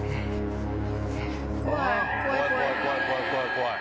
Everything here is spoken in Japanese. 怖い。